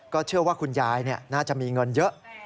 เชื่อว่าคุณยายน่าจะมีเงินเยอะ